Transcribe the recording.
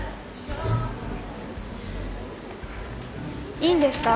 いいんですか？